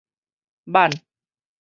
挽